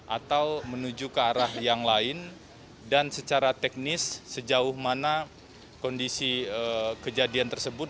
atau menuju ke arah yang lain dan secara teknis sejauh mana kondisi kejadian tersebut